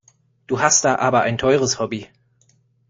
Du hast da aber ein teures Hobby.